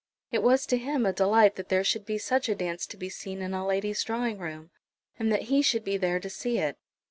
It was to him a delight that there should be such a dance to be seen in a lady's drawing room, and that he should be there to see it.